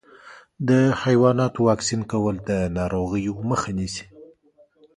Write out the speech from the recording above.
د حیواناتو واکسین کول د ناروغیو مخه نیسي.